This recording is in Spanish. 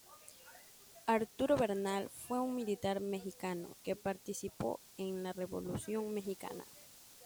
Arturo Bernal fue un militar mexicano que participó en la Revolución mexicana.